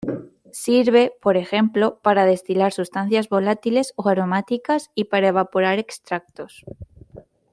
Sirve, por ejemplo, para destilar sustancias volátiles o aromáticas y para evaporar extractos.